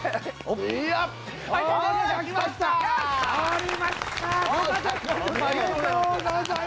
おめでとうございます！